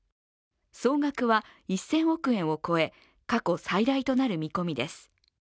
総額は１０００億円を超え過去最大となる見込みです。